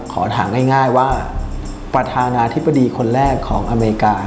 ขอถามง่ายว่าประธานาธิบดีคนแรกของอเมริกา